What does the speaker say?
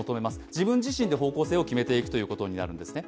自分自身で方向性を決めていくということになるんですね。